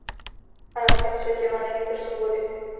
V arabském světě vane vítr svobody.